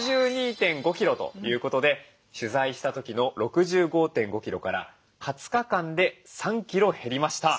６２．５キロということで取材した時の６５．５キロから２０日間で３キロ減りました。